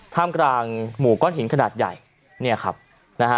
ท่ามกลางหมู่ก้อนหินขนาดใหญ่เนี่ยครับนะฮะ